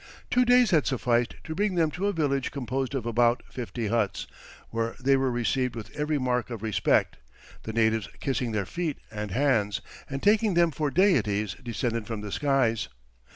Two days had sufficed to bring them to a village composed of about fifty huts, where they were received with every mark of respect; the natives kissing their feet and hands, and taking them for deities descended from the skies.